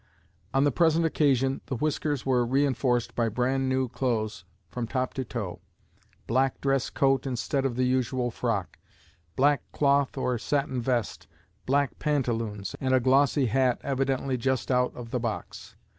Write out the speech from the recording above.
On the present occasion the whiskers were reinforced by brand new clothes from top to toe; black dress coat instead of the usual frock; black cloth or satin vest, black pantaloons, and a glossy hat evidently just out of the box.